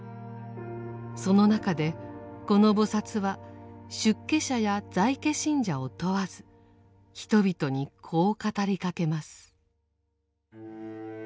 その中でこの菩薩は出家者や在家信者を問わず人々にこう語りかけます。